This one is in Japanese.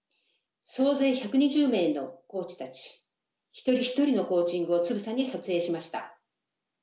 総勢１２０名のコーチたち一人一人のコーチングをつぶさに撮影しました。